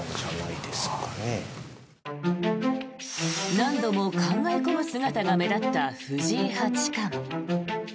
何度も考え込む姿が目立った藤井八冠。